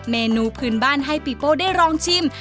เมนูผื่นบ้านให้ปิ๊ปโปะทั้งมุมชิม